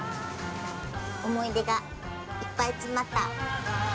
思い出がいっぱい詰まったこちらです！